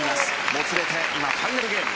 もつれて今、ファイナルゲーム。